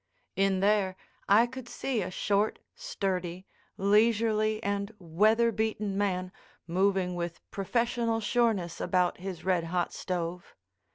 In there I could see a short, sturdy, leisurely and weather beaten man moving with professional sureness about his red hot stove.